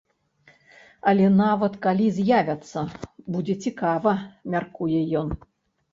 Але нават калі з'явяцца, будзе цікава, мяркуе ён.